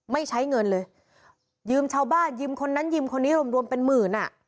ไม่ใช้เงินเลยยืมชาวบ้านยืมคนนั้นยืมคนนี้รวมรวมเป็นหมื่นอ่ะ